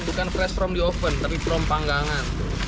bukan fresh from the oven tapi from panggangan